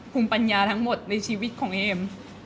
ภูมิปัญญาทั้งหมดในชีวิตของเอม